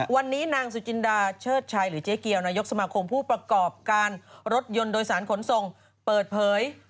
วันนี้นางสุจินดาเชิดชัยหรือเจ๊เกียวนายกสมาคมผู้ประกอบการรถยนต์โดยสารขนส่งเปิดเผย